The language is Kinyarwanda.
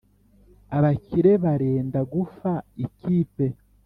abakire barenda gufa ikipe